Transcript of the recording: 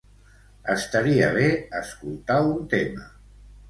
Estaria bé escoltar un tema.